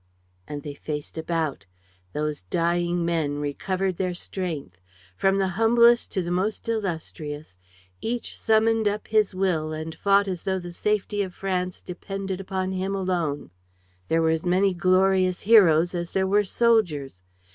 And they faced about. Those dying men recovered their strength. From the humblest to the most illustrious, each summoned up his will and fought as though the safety of France depended upon him alone. There were as many glorious heroes as there were soldiers.